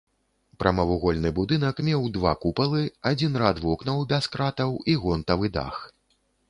Прамавугольны будынак меў два купалы, адзін рад вокнаў без кратаў і гонтавы дах.